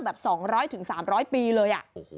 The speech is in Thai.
แบบ๒๐๐๓๐๐ปีเลย